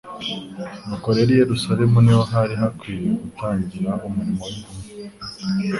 Nuko rero i Yerusalemu ni ho hari hakwiriye gutangirira umurimo w'intumwa.